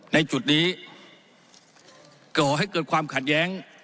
ในจุดนี้ก่อให้เกิดความขัดแย้ง